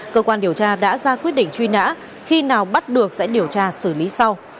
cơ quan điều tra đã ra quyết định truy nã khi nào bắt được sẽ điều tra xử lý sau